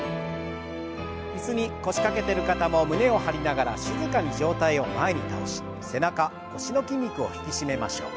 椅子に腰掛けてる方も胸を張りながら静かに上体を前に倒し背中腰の筋肉を引き締めましょう。